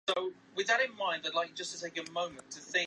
奥费尔格内是德国下萨克森州的一个市镇。